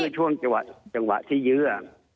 ช่วงจังหวะที่เยื้อ